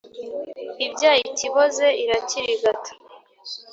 Ibyaye ikiboze irakirigata.